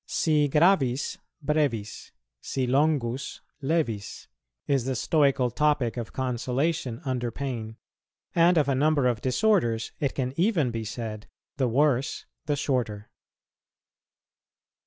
Si gravis, brevis; si longus, levis; is the Stoical topic of consolation under pain; and of a number of disorders it can even be said, The worse, the shorter.